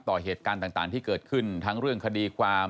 ต่อเหตุการณ์ต่างที่เกิดขึ้นทั้งเรื่องคดีความ